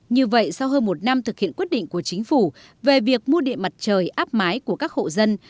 như vậy sau hơn một năm thực hiện quyết định của chính phủ về việc mua điện mặt trời áp mái của các hộ dân